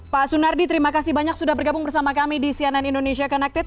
pak sunardi terima kasih banyak sudah bergabung bersama kami di cnn indonesia connected